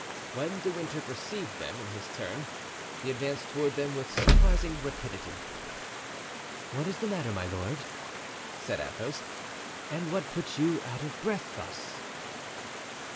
When De Winter perceived them, in his turn he advanced toward them with surprising rapidity. "What is the matter, my lord?" said Athos, "and what puts you out of breath thus?"